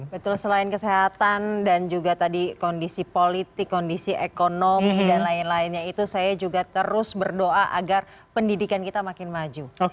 betul selain kesehatan dan juga tadi kondisi politik kondisi ekonomi dan lain lainnya itu saya juga terus berdoa agar pendidikan kita makin maju